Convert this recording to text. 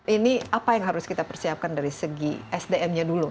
ini apa yang harus kita persiapkan dari segi sdm nya dulu